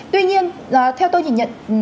tuy nhiên theo tôi nhận nhận